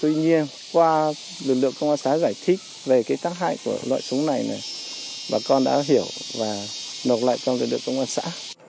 tuy nhiên qua lực lượng công an xã giải thích về cái tác hại của loại súng này này bà con đã hiểu và nộp lại cho lực lượng công an xã